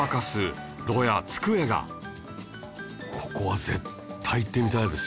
ここは絶対行ってみたいですよね。